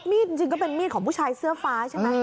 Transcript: จริงก็เป็นมีดของผู้ชายเสื้อฟ้าใช่ไหม